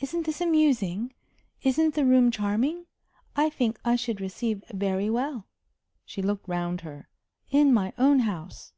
"Isn't this amusing? Isn't the room charming? I think I should receive very well" she looked round her "in my own house."